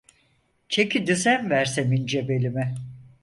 Çeki düzen versem ince belime.